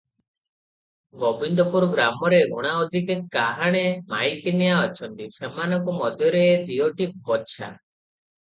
ଗୋବିନ୍ଦପୁର ଗ୍ରାମରେ ଊଣା ଅଧିକେ କାହାଣେ ମାଈକିନିଆ ଅଛନ୍ତି, ସେମାନଙ୍କ ମଧ୍ୟରେ ଏ ଦିଓଟି ବଛା ।